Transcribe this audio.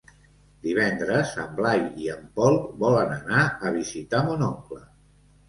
Divendres en Blai i en Pol volen anar a visitar mon oncle.